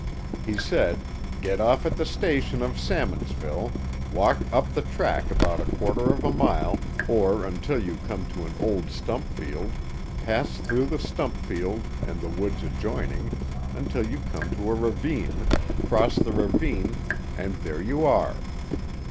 He said: '* Get off at the station of Sammons ville; walk up the track about a quarter of a mile, or until you come to an old stump field; pass through the stump field and the woods adjoining, until you come to a ravine; cross the ravine, and there you are.